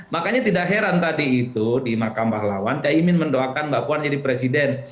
makanya tidak heran tadi itu di mahkamah lawan cahaya nusantara mendoakan mbak puan menjadi presiden